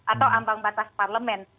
atau ambang batas parlement